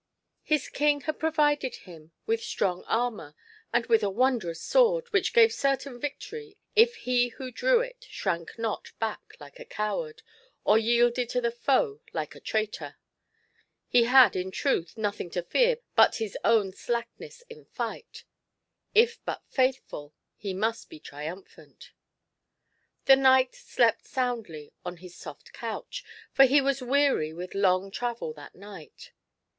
His King had provided him with strong armour, and with a wondrous sword 28 GIANT SLOTH. which gave certain victory if he who di ew it shrank not back like a coward, or yielded to the foe like a traitor ; he had, in truth, nothing to fear but his own slackness in fight ; if but faithful, he must be triumphant. The knight slept soundly on his soft couch, for he was weary with long travel that night.